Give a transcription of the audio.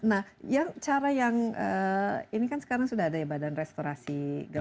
nah yang cara yang ini kan sekarang sudah ada ya badan restorasi